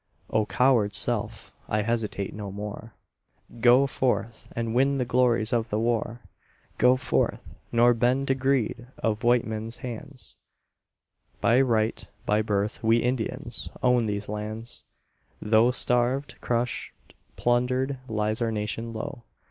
O! coward self I hesitate no more; Go forth, and win the glories of the war. Go forth, nor bend to greed of white men's hands, By right, by birth we Indians own these lands, Though starved, crushed, plundered, lies our nation low...